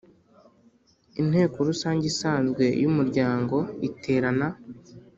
Inteko rusange isanzwe y umuryango iterana